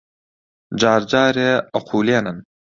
جار جارێ ئەقوولێنن